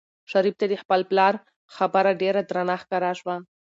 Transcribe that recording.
شریف ته د خپل پلار خبره ډېره درنه ښکاره شوه.